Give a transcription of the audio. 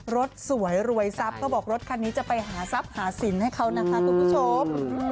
รถสวยรวยทรัพย์เขาบอกรถคันนี้จะไปหาทรัพย์หาสินให้เขานะคะคุณผู้ชม